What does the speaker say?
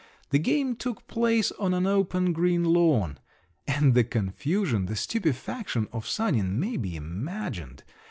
The game took place on an open green lawn. And the confusion, the stupefaction of Sanin may be imagined!